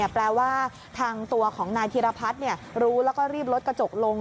แปลว่าทางตัวของนายธิรพัฒน์รู้แล้วก็รีบลดกระจกลง